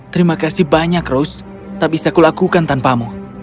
terima kasih banyak rose tak bisa kulakukan tanpamu